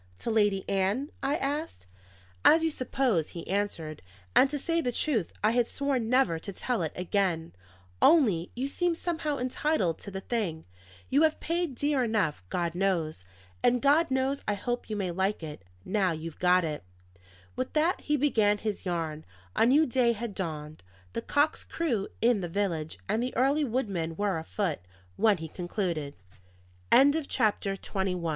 "To Lady Ann?" I asked. "As you suppose," he answered; "and to say the truth, I had sworn never to tell it again. Only, you seem somehow entitled to the thing; you have paid dear enough, God knows; and God knows I hope you may like it, now you've got it!" With that he began his yarn. A new day had dawned, the cocks crew in the village and the early woodmen were afoot, when he concluded. CHAPTER XXII. THE REMITTANCE MAN.